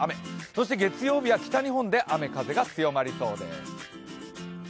そして月曜日は北日本で雨・風が強まりそうです。